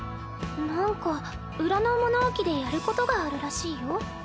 なんか裏の物置でやることがあるらしいよ。